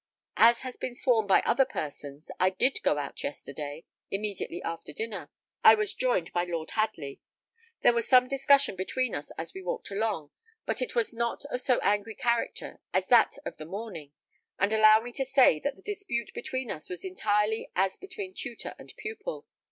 As has been sworn by other persons, I did go out yesterday, immediately after dinner. I was joined by Lord Hadley. There was some discussion between us as we walked along, but it was not of so angry character as that of the morning; and allow me to say, that the dispute between us was entirely as between tutor and pupil.